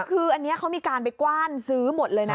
คืออันนี้เขามีการไปกว้านซื้อหมดเลยนะ